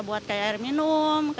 buat apa saja mbak